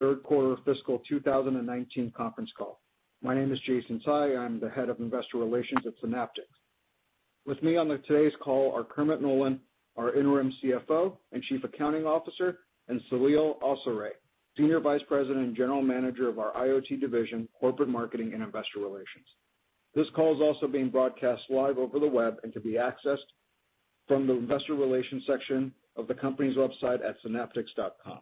Third quarter fiscal 2019 conference call. My name is Jason Tsai, I'm the Head of Investor Relations at Synaptics. With me on today's call are Kermit Nolan, our Interim CFO and Chief Accounting Officer, and Saleel Awsare, Senior Vice President and General Manager of our IoT division, corporate marketing, and investor relations. This call is also being broadcast live over the web and can be accessed from the investor relations section of the company's website at synaptics.com.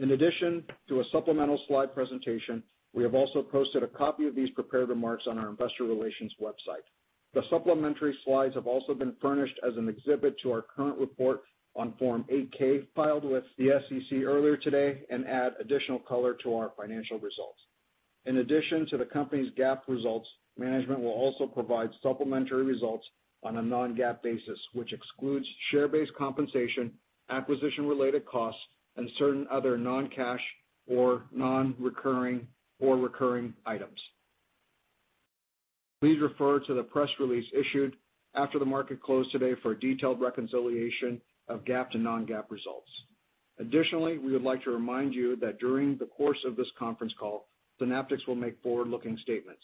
In addition to a supplemental slide presentation, we have also posted a copy of these prepared remarks on our investor relations website. The supplementary slides have also been furnished as an exhibit to our current report on Form 8-K filed with the SEC earlier today and add additional color to our financial results. In addition to the company's GAAP results, management will also provide supplementary results on a non-GAAP basis, which excludes share-based compensation, acquisition related costs and certain other non-cash or non-recurring or recurring items. Please refer to the press release issued after the market closed today for a detailed reconciliation of GAAP to non-GAAP results. Additionally, we would like to remind you that during the course of this conference call, Synaptics will make forward-looking statements.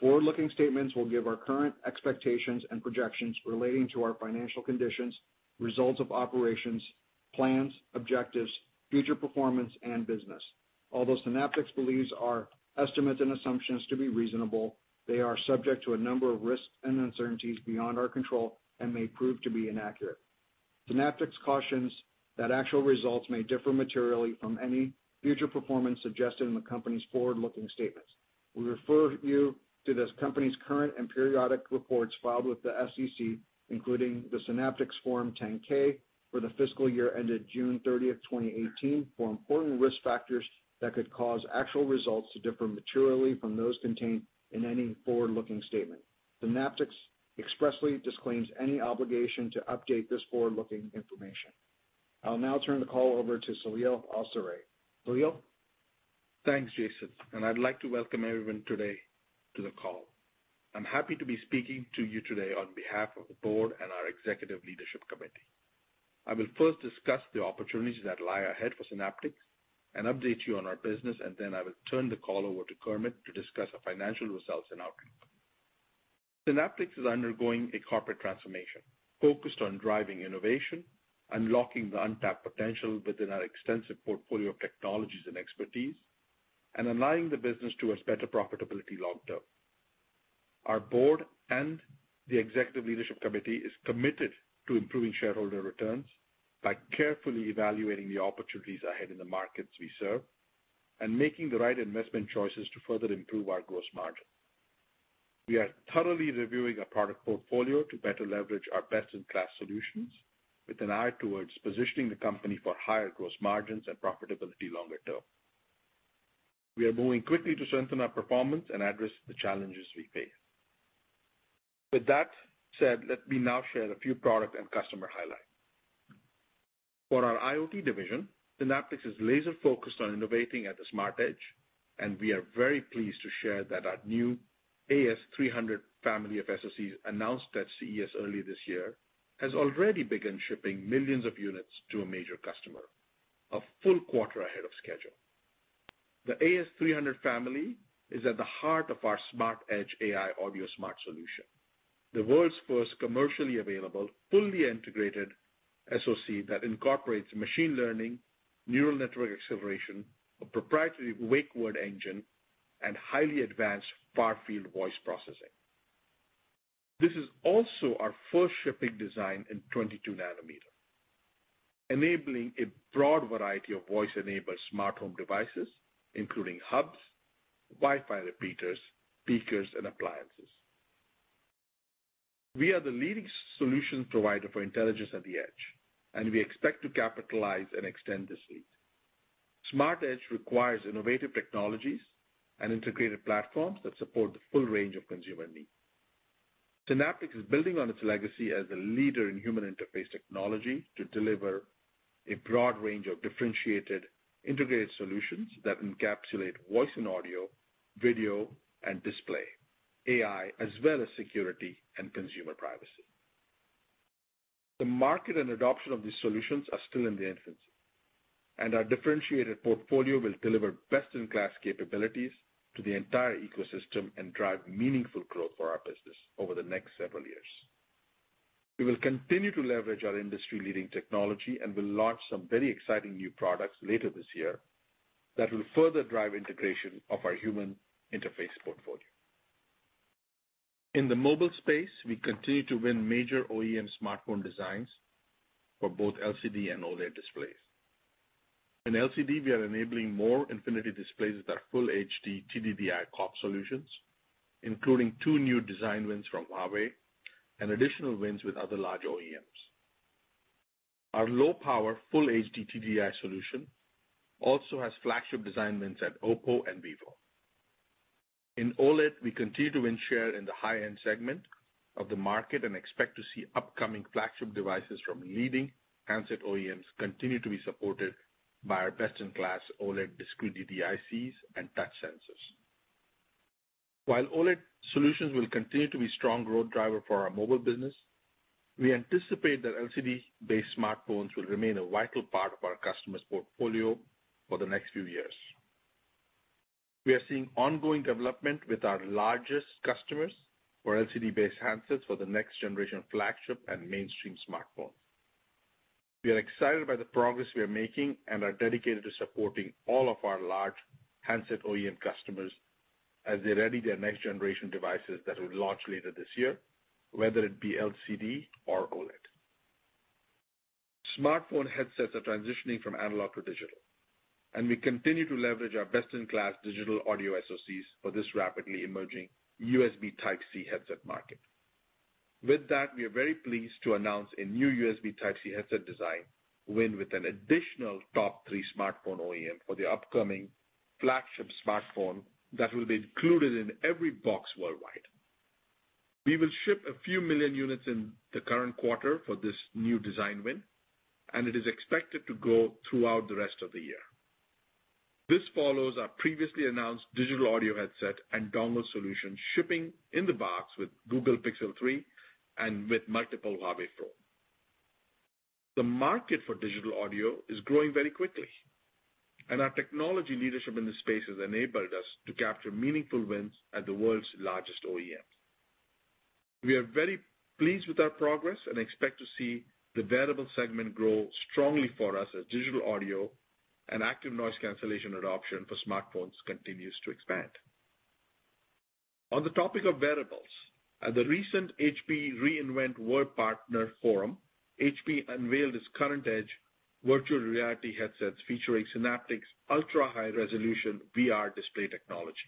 Forward-looking statements will give our current expectations and projections relating to our financial conditions, results of operations, plans, objectives, future performance, and business. Although Synaptics believes our estimates and assumptions to be reasonable, they are subject to a number of risks and uncertainties beyond our control and may prove to be inaccurate. Synaptics cautions that actual results may differ materially from any future performance suggested in the company's forward-looking statements. We refer you to this company's current and periodic reports filed with the SEC, including the Synaptics Form 10-K for the fiscal year ended June 30th, 2018, for important risk factors that could cause actual results to differ materially from those contained in any forward-looking statement. Synaptics expressly disclaims any obligation to update this forward-looking information. I'll now turn the call over to Saleel Awsare. Saleel? Thanks, Jason. I'd like to welcome everyone today to the call. I'm happy to be speaking to you today on behalf of the board and our executive leadership committee. I will first discuss the opportunities that lie ahead for Synaptics and update you on our business, then I will turn the call over to Kermit to discuss our financial results and outlook. Synaptics is undergoing a corporate transformation focused on driving innovation, unlocking the untapped potential within our extensive portfolio of technologies and expertise, and aligning the business towards better profitability long-term. Our board and the executive leadership committee is committed to improving shareholder returns by carefully evaluating the opportunities ahead in the markets we serve and making the right investment choices to further improve our gross margin. We are thoroughly reviewing our product portfolio to better leverage our best-in-class solutions with an eye towards positioning the company for higher gross margins and profitability longer-term. We are moving quickly to strengthen our performance and address the challenges we face. With that said, let me now share a few product and customer highlights. For our IoT division, Synaptics is laser focused on innovating at the smart edge, and we are very pleased to share that our new AS300 family of SoCs announced at CES earlier this year, has already begun shipping millions of units to a major customer, a full quarter ahead of schedule. The AS300 family is at the heart of our smart edge AI audio smart solution. The world's first commercially available, fully integrated SoC that incorporates machine learning, neural network acceleration, a proprietary wake word engine, and highly advanced far-field voice processing. This is also our first shipping design in 22 nanometer, enabling a broad variety of voice-enabled smart home devices, including hubs, Wi-Fi repeaters, speakers, and appliances. We are the leading solution provider for intelligence at the edge, and we expect to capitalize and extend this lead. Smart edge requires innovative technologies and integrated platforms that support the full range of consumer needs. Synaptics is building on its legacy as a leader in human interface technology to deliver a broad range of differentiated, integrated solutions that encapsulate voice and audio, video and display, AI, as well as security and consumer privacy. The market and adoption of these solutions are still in the infancy, and our differentiated portfolio will deliver best-in-class capabilities to the entire ecosystem and drive meaningful growth for our business over the next several years. We will continue to leverage our industry-leading technology and will launch some very exciting new products later this year that will further drive integration of our human interface portfolio. In the mobile space, we continue to win major OEM smartphone designs for both LCD and OLED displays. In LCD, we are enabling more infinity displays with our full HD TDDI COP solutions, including two new design wins from Huawei and additional wins with other large OEMs. Our low power full HD TDDI solution also has flagship design wins at Oppo and Vivo. In OLED, we continue to win share in the high-end segment of the market and expect to see upcoming flagship devices from leading handset OEMs continue to be supported by our best-in-class OLED display TDDI SoCs and touch sensors. While OLED solutions will continue to be a strong growth driver for our mobile business, we anticipate that LCD-based smartphones will remain a vital part of our customers' portfolio for the next few years. We are seeing ongoing development with our largest customers for LCD-based handsets for the next generation flagship and mainstream smartphone. We are excited by the progress we are making and are dedicated to supporting all of our large handset OEM customers as they ready their next generation devices that will launch later this year, whether it be LCD or OLED. Smartphone headsets are transitioning from analog to digital, and we continue to leverage our best-in-class digital audio SoCs for this rapidly emerging USB Type-C headset market. With that, we are very pleased to announce a new USB Type-C headset design win with an additional top three smartphone OEM for the upcoming flagship smartphone that will be included in every box worldwide. We will ship a few million units in the current quarter for this new design win, and it is expected to go throughout the rest of the year. This follows our previously announced digital audio headset and dongle solution shipping in the box with Google Pixel 3 and with multiple Huawei phone. The market for digital audio is growing very quickly, and our technology leadership in this space has enabled us to capture meaningful wins at the world's largest OEMs. We are very pleased with our progress and expect to see the wearable segment grow strongly for us as digital audio and active noise cancellation adoption for smartphones continues to expand. On the topic of wearables, at the recent HP Reinvent World Partner Forum, HP unveiled its current edge virtual reality headsets featuring Synaptics ultra-high-resolution VR display technology.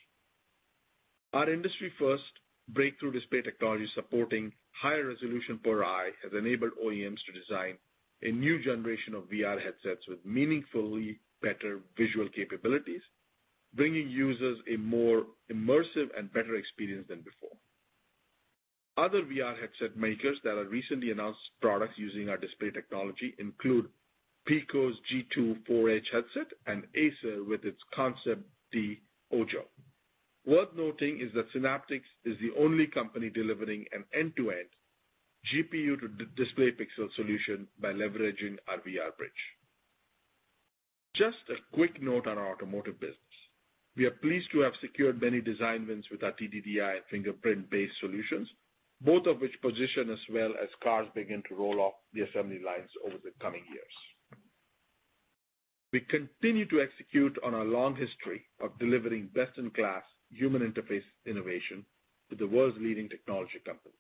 Our industry first breakthrough display technology supporting higher resolution per eye has enabled OEMs to design a new generation of VR headsets with meaningfully better visual capabilities, bringing users a more immersive and better experience than before. Other VR headset makers that have recently announced products using our display technology include PICO's G2 4K headset and Acer with its ConceptD Ojo. Worth noting is that Synaptics is the only company delivering an end-to-end GPU to display pixel solution by leveraging our VR Bridge. Just a quick note on our automotive business. We are pleased to have secured many design wins with our TDDI and fingerprint-based solutions, both of which position us well as cars begin to roll off the assembly lines over the coming years. We continue to execute on our long history of delivering best-in-class human interface innovation to the world's leading technology companies.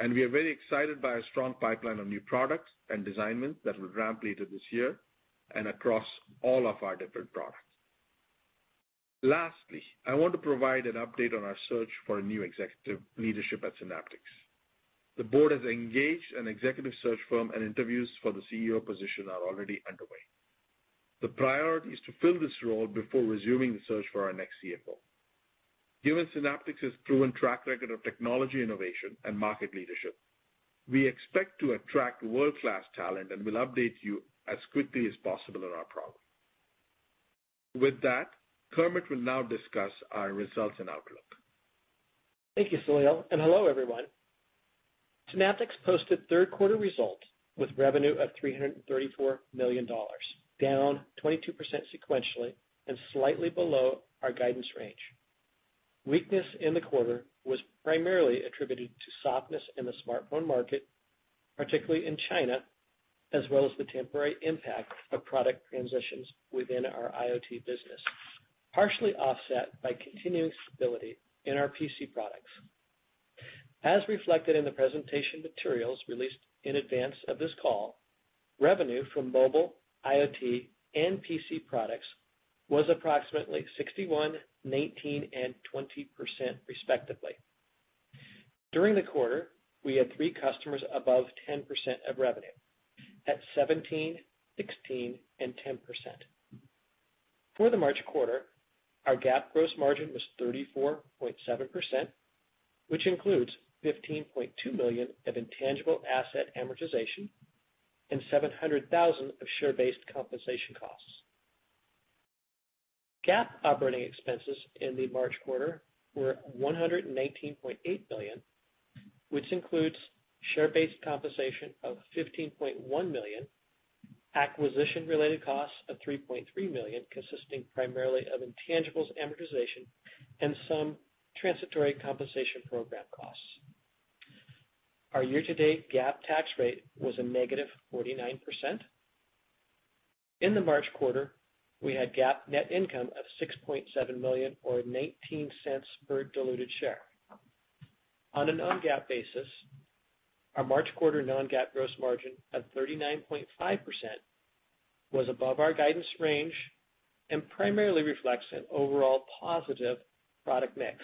We are very excited by our strong pipeline of new products and design wins that will ramp later this year and across all of our different products. Lastly, I want to provide an update on our search for a new executive leadership at Synaptics. The board has engaged an executive search firm, and interviews for the CEO position are already underway. The priority is to fill this role before resuming the search for our next CFO. Given Synaptics' proven track record of technology innovation and market leadership, we expect to attract world-class talent. We will update you as quickly as possible on our progress. With that, Kermit will now discuss our results and outlook. Thank you, Saleel, and hello, everyone. Synaptics posted third quarter results with revenue of $334 million, down 22% sequentially and slightly below our guidance range. Weakness in the quarter was primarily attributed to softness in the smartphone market, particularly in China, as well as the temporary impact of product transitions within our IoT business, partially offset by continued stability in our PC products. As reflected in the presentation materials released in advance of this call, revenue from mobile, IoT, and PC products was approximately 61%, 19%, and 20% respectively. During the quarter, we had three customers above 10% of revenue at 17%, 16%, and 10%. For the March quarter, our GAAP gross margin was 34.7%, which includes $15.2 million of intangible asset amortization and $700,000 of share-based compensation costs. GAAP operating expenses in the March quarter were $119.8 million, which includes share-based compensation of $15.1 million, acquisition-related costs of $3.3 million consisting primarily of intangibles amortization, and some transitory compensation program costs. Our year-to-date GAAP tax rate was a negative 49%. In the March quarter, we had GAAP net income of $6.7 million, or $0.19 per diluted share. On a non-GAAP basis, our March quarter non-GAAP gross margin of 39.5% was above our guidance range and primarily reflects an overall positive product mix.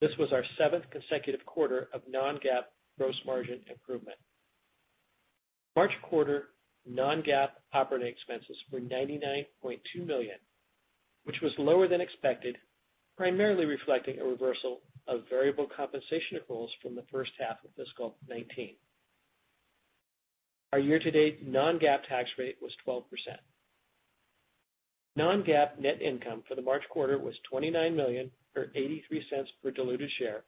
This was our seventh consecutive quarter of non-GAAP gross margin improvement. March quarter non-GAAP operating expenses were $99.2 million, which was lower than expected, primarily reflecting a reversal of variable compensation accruals from the first half of fiscal 2019. Our year-to-date non-GAAP tax rate was 12%. Non-GAAP net income for the March quarter was $29 million, or $0.83 per diluted share,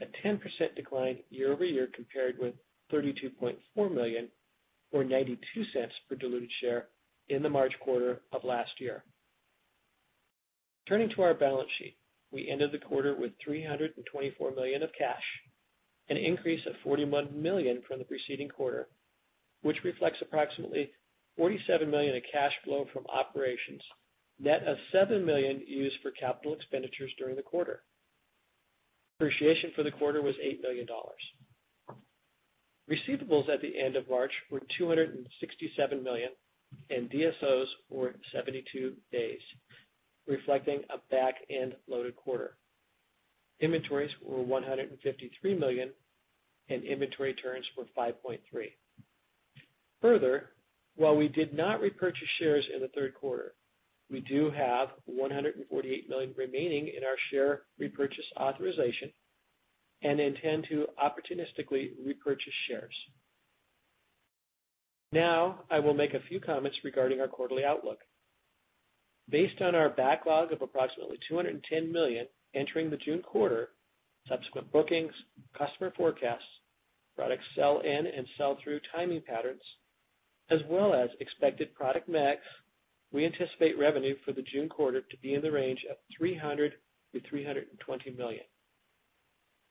a 10% decline year-over-year compared with $32.4 million, or $0.92 per diluted share in the March quarter of last year. Turning to our balance sheet. We ended the quarter with $324 million of cash, an increase of $41 million from the preceding quarter, which reflects approximately $47 million of cash flow from operations, net of $7 million used for capital expenditures during the quarter. Depreciation for the quarter was $8 million. Receivables at the end of March were $267 million, and DSOs were 72 days, reflecting a back-end loaded quarter. Inventories were $153 million, and inventory turns were 5.3. Further, while we did not repurchase shares in the third quarter, we do have $148 million remaining in our share repurchase authorization and intend to opportunistically repurchase shares. I will make a few comments regarding our quarterly outlook. Based on our backlog of approximately $210 million entering the June quarter, subsequent bookings, customer forecasts, product sell-in and sell-through timing patterns, as well as expected product mix, we anticipate revenue for the June quarter to be in the range of $300 million-$320 million.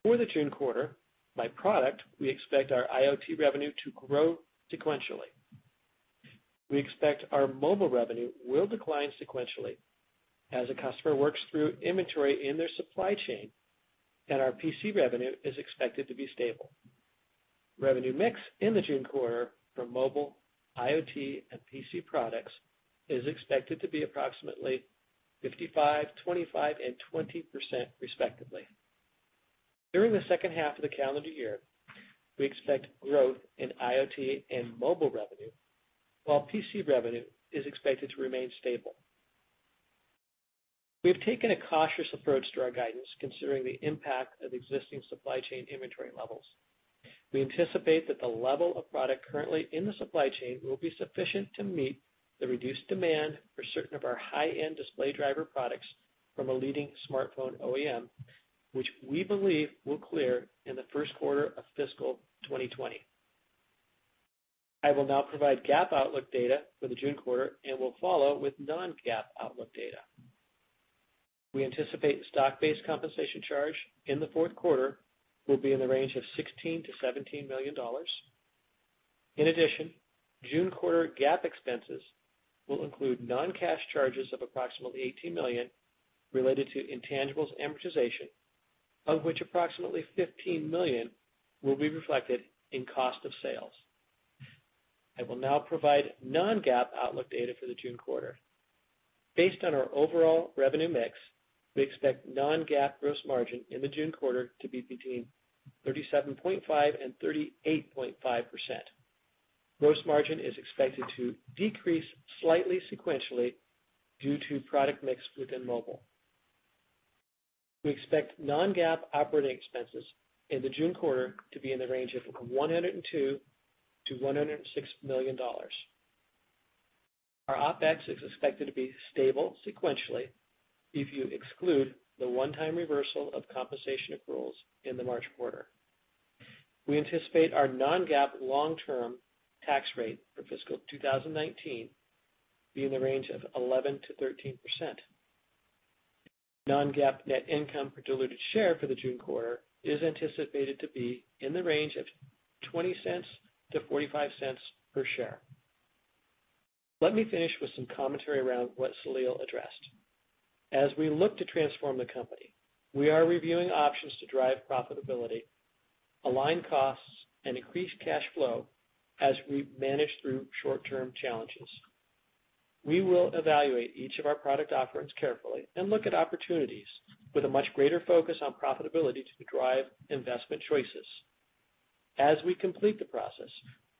For the June quarter, by product, we expect our IoT revenue to grow sequentially. We expect our mobile revenue will decline sequentially as the customer works through inventory in their supply chain, and our PC revenue is expected to be stable. Revenue mix in the June quarter for mobile, IoT, and PC products is expected to be approximately 55%, 25%, and 20%, respectively. During the second half of the calendar year, we expect growth in IoT and mobile revenue, while PC revenue is expected to remain stable. We have taken a cautious approach to our guidance considering the impact of existing supply chain inventory levels. We anticipate that the level of product currently in the supply chain will be sufficient to meet the reduced demand for certain of our high-end display driver products from a leading smartphone OEM, which we believe will clear in the first quarter of fiscal 2020. I will now provide GAAP outlook data for the June quarter and will follow with non-GAAP outlook data. We anticipate stock-based compensation charge in the fourth quarter will be in the range of $16 million-$17 million. In addition, June quarter GAAP expenses will include non-cash charges of approximately $18 million related to intangibles amortization, of which approximately $15 million will be reflected in cost of sales. I will now provide non-GAAP outlook data for the June quarter. Based on our overall revenue mix, we expect non-GAAP gross margin in the June quarter to be between 37.5% and 38.5%. Gross margin is expected to decrease slightly sequentially due to product mix within mobile. We expect non-GAAP operating expenses in the June quarter to be in the range of $102 million-$106 million. Our OpEx is expected to be stable sequentially if you exclude the one-time reversal of compensation accruals in the March quarter. We anticipate our non-GAAP long-term tax rate for fiscal 2019 be in the range of 11%-13%. Non-GAAP net income per diluted share for the June quarter is anticipated to be in the range of $0.20-$0.45 per share. Let me finish with some commentary around what Saleel addressed. As we look to transform the company, we are reviewing options to drive profitability, align costs, and increase cash flow as we manage through short-term challenges. We will evaluate each of our product offerings carefully and look at opportunities with a much greater focus on profitability to drive investment choices. As we complete the process,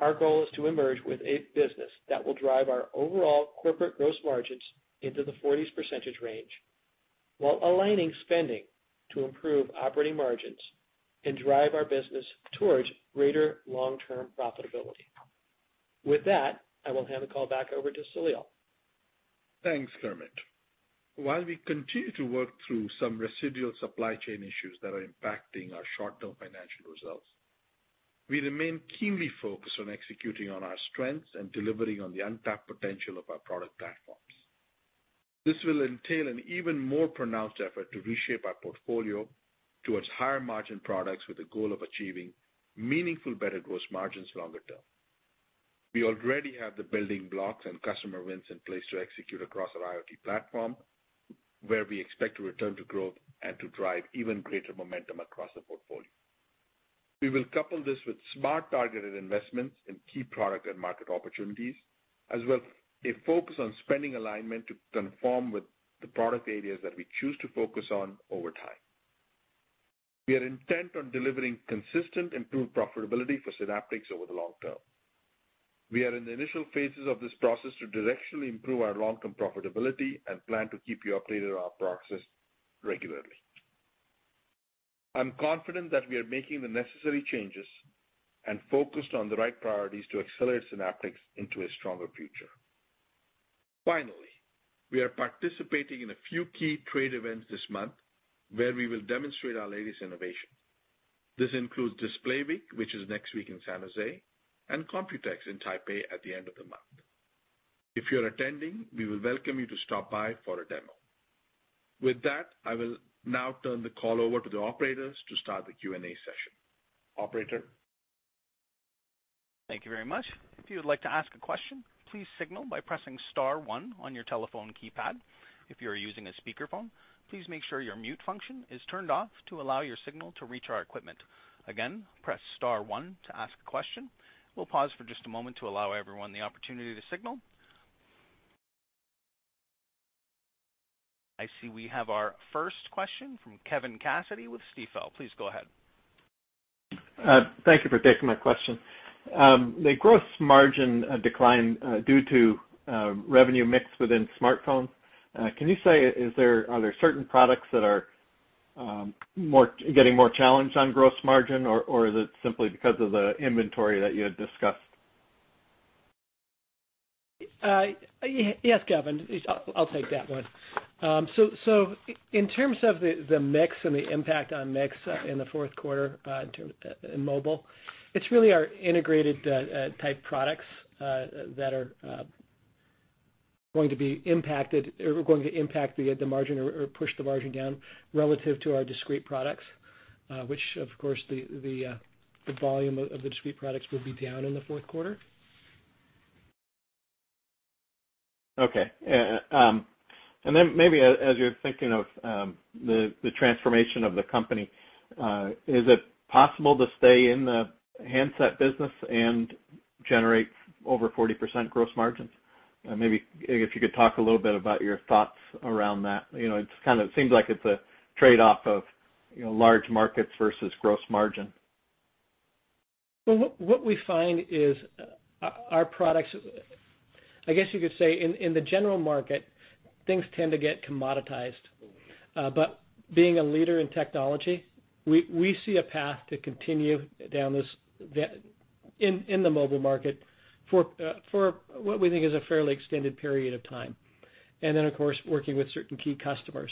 our goal is to emerge with a business that will drive our overall corporate gross margins into the 40s% range while aligning spending to improve operating margins and drive our business towards greater long-term profitability. With that, I will hand the call back over to Saleel. Thanks, Kermit. While we continue to work through some residual supply chain issues that are impacting our short-term financial results, we remain keenly focused on executing on our strengths and delivering on the untapped potential of our product platforms. This will entail an even more pronounced effort to reshape our portfolio towards higher margin products with the goal of achieving meaningful better gross margins longer term. We already have the building blocks and customer wins in place to execute across our IoT platform, where we expect to return to growth and to drive even greater momentum across the portfolio. We will couple this with smart targeted investments in key product and market opportunities, as well as a focus on spending alignment to conform with the product areas that we choose to focus on over time. We are intent on delivering consistent improved profitability for Synaptics over the long term. We are in the initial phases of this process to directionally improve our long-term profitability and plan to keep you updated on our progress regularly. I'm confident that we are making the necessary changes and focused on the right priorities to accelerate Synaptics into a stronger future. Finally, we are participating in a few key trade events this month, where we will demonstrate our latest innovation. This includes Display Week, which is next week in San José, and Computex in Taipei at the end of the month. If you're attending, we will welcome you to stop by for a demo. With that, I will now turn the call over to the operators to start the Q&A session. Operator? Thank you very much. If you would like to ask a question, please signal by pressing star one on your telephone keypad. If you are using a speakerphone, please make sure your mute function is turned off to allow your signal to reach our equipment. Again, press star one to ask a question. We will pause for just a moment to allow everyone the opportunity to signal. I see we have our first question from Kevin Cassidy with Stifel. Please go ahead. Thank you for taking my question. The gross margin decline due to revenue mix within smartphones, can you say, are there certain products that are getting more challenged on gross margin, or is it simply because of the inventory that you had discussed? Yes, Kevin. I will take that one. In terms of the mix and the impact on mix in the fourth quarter in mobile, it's really our integrated type products that are going to impact the margin or push the margin down relative to our discrete products, which, of course, the volume of the discrete products will be down in the fourth quarter. Okay. Maybe as you're thinking of the transformation of the company, is it possible to stay in the handset business and generate over 40% gross margins? Maybe if you could talk a little bit about your thoughts around that. It seems like it's a trade-off of large markets versus gross margin. What we find is our products, I guess you could say in the general market, things tend to get commoditized. Being a leader in technology, we see a path to continue down this in the mobile market for what we think is a fairly extended period of time. Of course, working with certain key customers.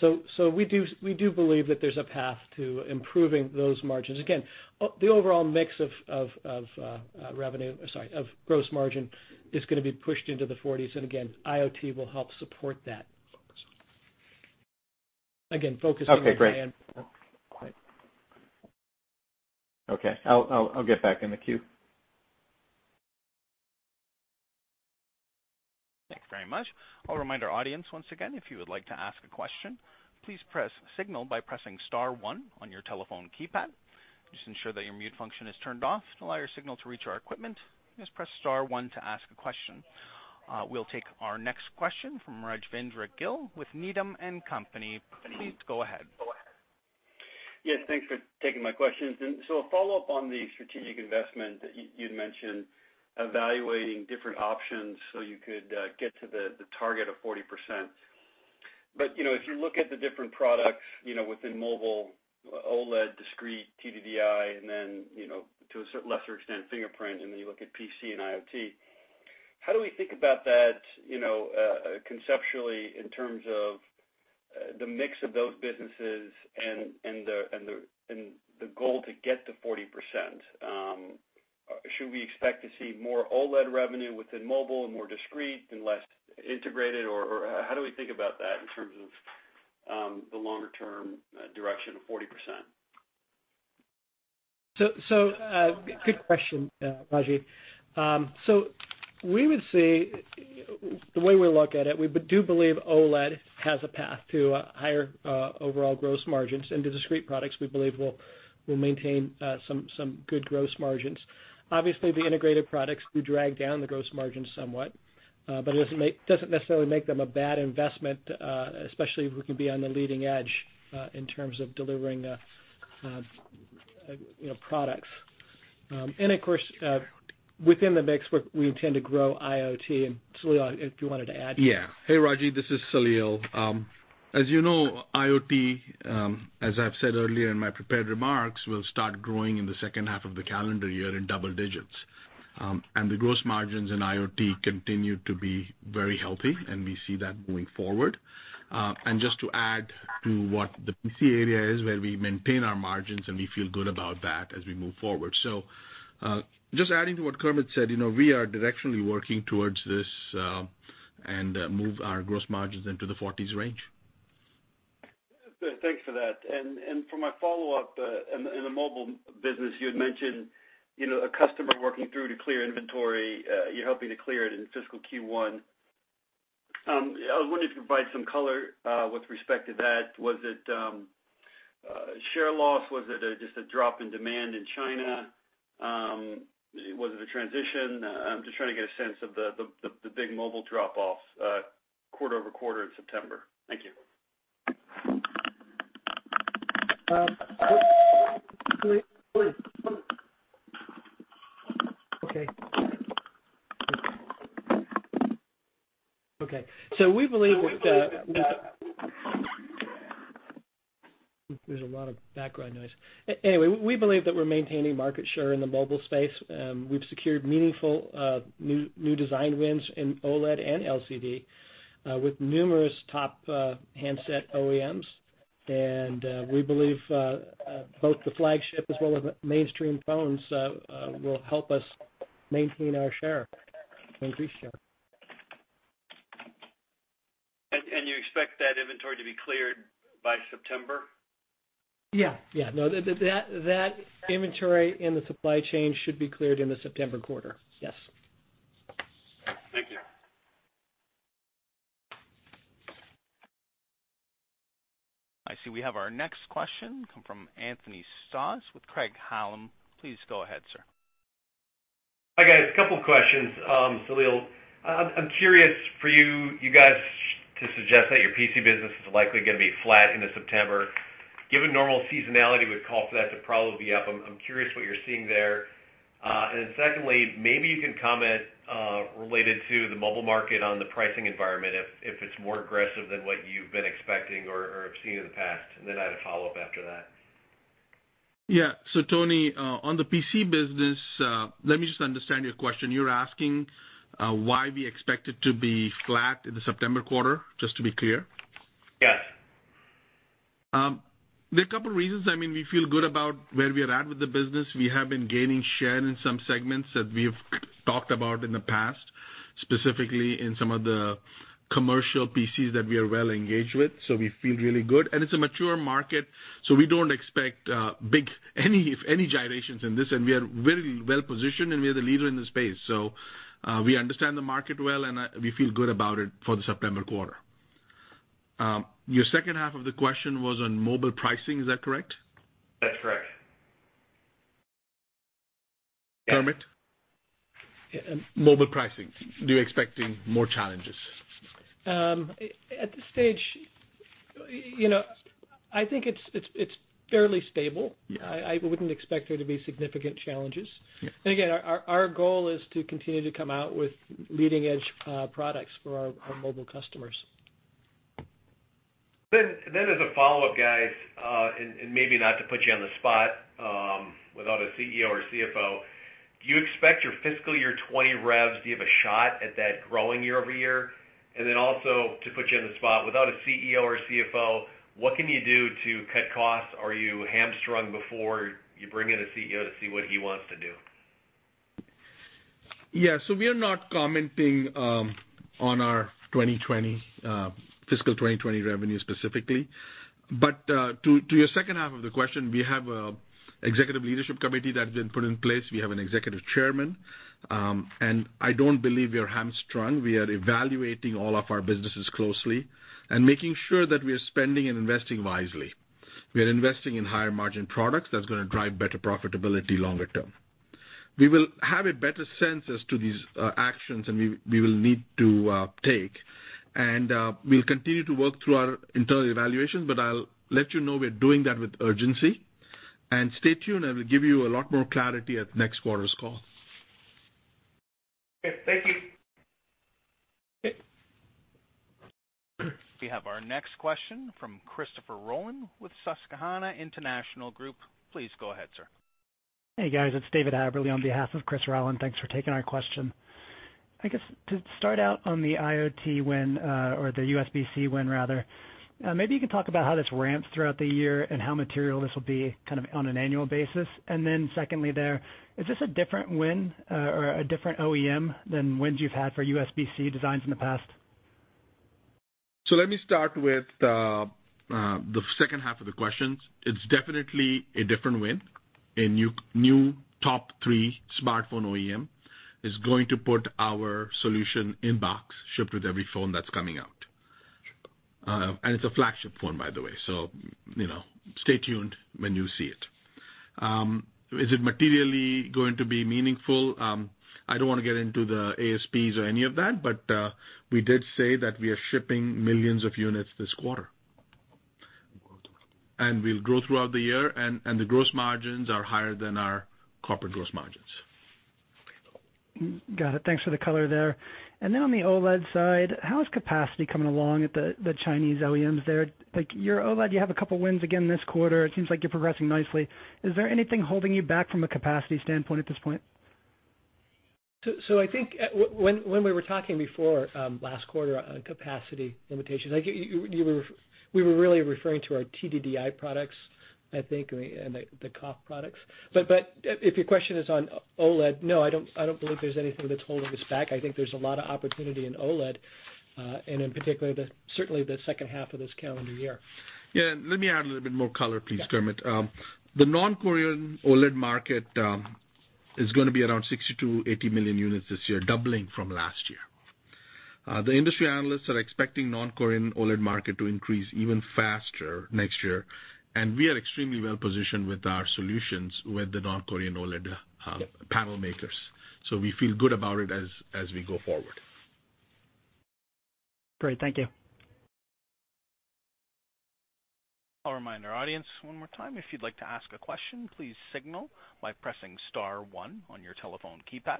We do believe that there's a path to improving those margins. Again, the overall mix of gross margin is going to be pushed into the 40s. Again, IoT will help support that focus. Okay, great. Okay, I'll get back in the queue. Thank you very much. I'll remind our audience once again, if you would like to ask a question, please signal by pressing star one on your telephone keypad. Just ensure that your mute function is turned off to allow your signal to reach our equipment. Just press star one to ask a question. We'll take our next question from Rajvindra Gill with Needham & Company. Please go ahead. Yes, thanks for taking my questions. A follow-up on the strategic investment. You'd mentioned evaluating different options so you could get to the target of 40%. If you look at the different products within mobile, OLED, discrete, TDDI, and then, to a lesser extent, fingerprints, and then you look at PC and IoT, how do we think about that conceptually in terms of the mix of those businesses and the goal to get to 40%? Should we expect to see more OLED revenue within mobile and more discrete and less integrated? How do we think about that in terms of the longer-term direction of 40%? Good question, Rajiv. We would say, the way we look at it, we do believe OLED has a path to higher overall gross margins, and the discrete products we believe will maintain some good gross margins. Obviously, the integrated products do drag down the gross margins somewhat, but it doesn't necessarily make them a bad investment, especially if we can be on the leading edge in terms of delivering products. Of course, within the mix, we intend to grow IoT. Saleel, if you wanted to add. Hey, Rajiv, this is Saleel. As you know, IoT, as I've said earlier in my prepared remarks, will start growing in the second half of the calendar year in double digits. The gross margins in IoT continue to be very healthy, and we see that moving forward. Just to add to what the PC area is, where we maintain our margins, and we feel good about that as we move forward. Just adding to what Kermit said, we are directionally working towards this and move our gross margins into the 40s range. Thanks for that. For my follow-up, in the mobile business, you had mentioned a customer working through to clear inventory. You're helping to clear it in fiscal Q1. I was wondering if you could provide some color with respect to that. Was it share loss? Was it just a drop in demand in China? Was it a transition? I'm just trying to get a sense of the big mobile drop-offs quarter-over-quarter in September. Thank you. Okay. We believe that There's a lot of background noise. Anyway, we believe that we're maintaining market share in the mobile space. We've secured meaningful, new design wins in OLED and LCD, with numerous top handset OEMs. We believe both the flagship as well as mainstream phones will help us maintain our share, increase share. You expect that inventory to be cleared by September? Yeah. No, that inventory in the supply chain should be cleared in the September quarter. Yes. Thank you. I see we have our next question come from Anthony Stoss with Craig-Hallum. Please go ahead, sir. Hi, guys. A couple questions. Saleel, I'm curious for you guys to suggest that your PC business is likely going to be flat into September. Given normal seasonality would call for that to probably be up, I'm curious what you're seeing there. Secondly, maybe you can comment related to the mobile market on the pricing environment, if it's more aggressive than what you've been expecting or have seen in the past. I had a follow-up after that. Yeah. Tony, on the PC business, let me just understand your question. You're asking why we expect it to be flat in the September quarter, just to be clear? Yes. There are a couple of reasons. We feel good about where we are at with the business. We have been gaining share in some segments that we've talked about in the past, specifically in some of the commercial PCs that we are well-engaged with. We feel really good. It's a mature market, so we don't expect big, if any, gyrations in this, and we are very well-positioned, and we are the leader in the space. We understand the market well, and we feel good about it for the September quarter. Your second half of the question was on mobile pricing, is that correct? That's correct. Kermit, mobile pricing, are you expecting more challenges? At this stage, I think it's fairly stable. Yeah. I wouldn't expect there to be significant challenges. Yeah. Again, our goal is to continue to come out with leading-edge products for our mobile customers. As a follow-up, guys, and maybe not to put you on the spot, without a CEO or CFO, do you expect your fiscal year 2020 revs, do you have a shot at that growing year-over-year? Also to put you on the spot without a CEO or CFO, what can you do to cut costs? Are you hamstrung before you bring in a CEO to see what he wants to do? Yeah. We are not commenting on our fiscal 2020 revenue specifically. To your second half of the question, we have an executive leadership committee that has been put in place. We have an executive chairman. I don't believe we are hamstrung. We are evaluating all of our businesses closely and making sure that we are spending and investing wisely. We are investing in higher-margin products that's going to drive better profitability longer term. We will have a better sense as to these actions and we will need to take. We'll continue to work through our internal evaluations, but I'll let you know we're doing that with urgency. Stay tuned, I will give you a lot more clarity at next quarter's call. Okay. Thank you. Okay. We have our next question from Christopher Rolland with Susquehanna Financial Group. Please go ahead, sir. Hey, guys. It's David Haberly on behalf of Chris Rolland. Thanks for taking our question. I guess to start out on the IoT win, or the USB-C win, rather, maybe you could talk about how this ramps throughout the year and how material this will be on an annual basis. Secondly there, is this a different win, or a different OEM than wins you've had for USB-C designs in the past? Let me start with the second half of the questions. It's definitely a different win. A new top three smartphone OEM is going to put our solution in box, shipped with every phone that's coming out. It's a flagship phone, by the way, so stay tuned when you see it. Is it materially going to be meaningful? I don't want to get into the ASPs or any of that, but we did say that we are shipping millions of units this quarter. We'll grow throughout the year, and the gross margins are higher than our corporate gross margins. Got it. Thanks for the color there. Then on the OLED side, how is capacity coming along at the Chinese OEMs there? Like your OLED, you have a couple wins again this quarter. It seems like you're progressing nicely. Is there anything holding you back from a capacity standpoint at this point? I think when we were talking before, last quarter on capacity limitations, we were really referring to our TDDI products, I think, and the COF products. If your question is on OLED, no, I don't believe there's anything that's holding us back. I think there's a lot of opportunity in OLED, and in particular, certainly the second half of this calendar year. Let me add a little bit more color, please, Kermit. Yeah. The non-Korean OLED market is going to be around 60-80 million units this year, doubling from last year. The industry analysts are expecting non-Korean OLED market to increase even faster next year, and we are extremely well-positioned with our solutions with the non-Korean OLED Yeah panel makers. We feel good about it as we go forward. Great. Thank you. I'll remind our audience one more time, if you'd like to ask a question, please signal by pressing star one on your telephone keypad.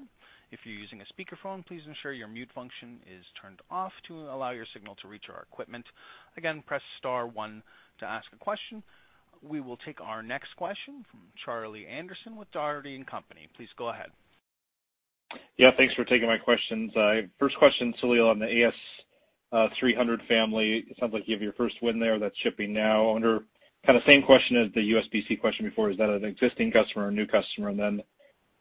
If you're using a speakerphone, please ensure your mute function is turned off to allow your signal to reach our equipment. Again, press star one to ask a question. We will take our next question from Charlie Anderson with Dougherty & Company. Please go ahead. Yeah, thanks for taking my questions. First question, Saleel, on the AS300 family. It sounds like you have your first win there that's shipping now. Under kind of same question as the USB-C question before, is that an existing customer or new customer?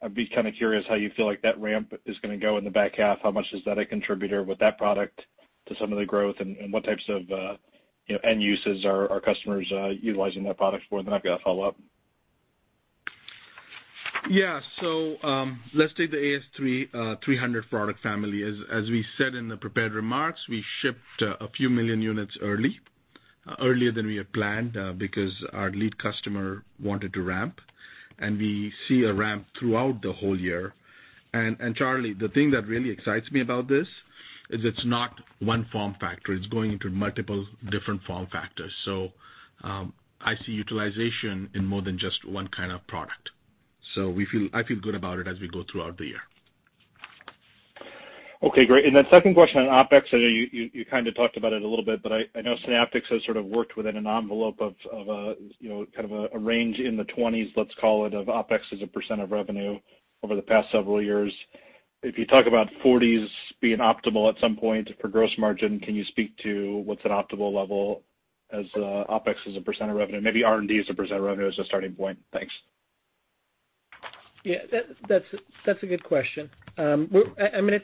I'd be kind of curious how you feel like that ramp is going to go in the back half. How much is that a contributor with that product to some of the growth and what types of end uses are customers utilizing that product for? I've got a follow-up. Yeah. Let's take the AS300 product family. As we said in the prepared remarks, we shipped a few million units early, earlier than we had planned, because our lead customer wanted to ramp, and we see a ramp throughout the whole year. Charlie, the thing that really excites me about this is it's not one form factor. It's going into multiple different form factors. I see utilization in more than just one kind of product. I feel good about it as we go throughout the year. Okay, great. Second question on OpEx, I know you kind of talked about it a little bit, I know Synaptics has sort of worked within an envelope of kind of a range in the 20s, let's call it, of OpEx as a percent of revenue over the past several years. If you talk about 40s being optimal at some point for gross margin, can you speak to what's an optimal level as OpEx as a percent of revenue? Maybe R&D as a percent of revenue as a starting point. Thanks. Yeah, that's a good question. At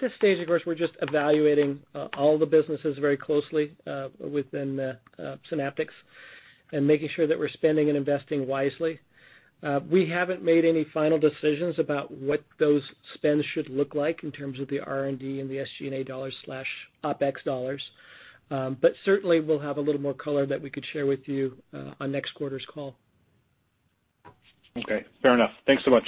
this stage, of course, we're just evaluating all the businesses very closely within Synaptics and making sure that we're spending and investing wisely. We haven't made any final decisions about what those spends should look like in terms of the R&D and the SG&A dollars slash OpEx dollars. Certainly, we'll have a little more color that we could share with you on next quarter's call. Okay, fair enough. Thanks so much.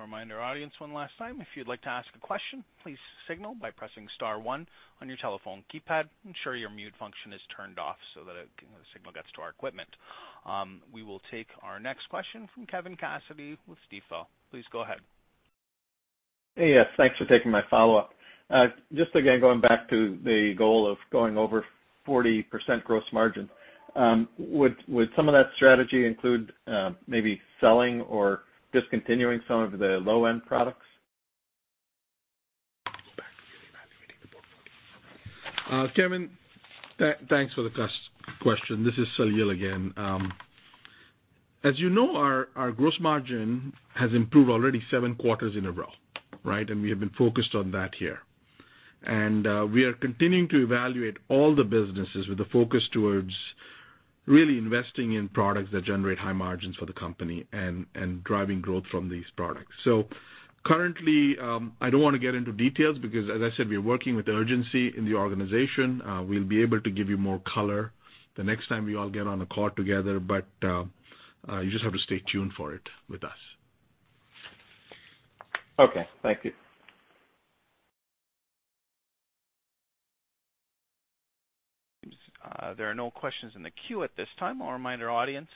Okay. I'll remind our audience one last time, if you'd like to ask a question, please signal by pressing star 1 on your telephone keypad. Ensure your mute function is turned off so that the signal gets to our equipment. We will take our next question from Kevin Cassidy with Stifel. Please go ahead. Hey. Yes, thanks for taking my follow-up. Just again, going back to the goal of going over 40% gross margin. Would some of that strategy include maybe selling or discontinuing some of the low-end products? Go back to evaluating the 40%. Kevin, thanks for the question. This is Saleel again. As you know, our gross margin has improved already seven quarters in a row, right? We have been focused on that here. We are continuing to evaluate all the businesses with a focus towards really investing in products that generate high margins for the company and driving growth from these products. Currently, I don't want to get into details because, as I said, we are working with urgency in the organization. We'll be able to give you more color the next time we all get on a call together, but you just have to stay tuned for it with us. Okay. Thank you. There are no questions in the queue at this time. I'll remind our audience